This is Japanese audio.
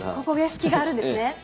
ここでスキがあるんですね。